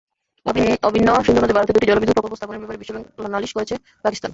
অভিন্ন সিন্ধু নদে ভারতের দুটি জলবিদ্যুৎ প্রকল্প স্থাপনের ব্যাপারে বিশ্বব্যাংকে নালিশ করেছে পাকিস্তান।